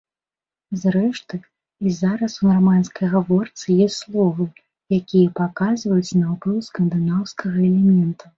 Зрэшты, і зараз у нармандскай гаворцы ёсць словы, якія паказваюць на ўплыў скандынаўскага элемента.